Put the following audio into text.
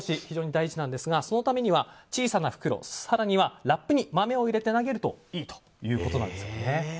非常に大事なんですがそのためには小さな袋、更にはラップに豆を入れて投げるといいということなんです。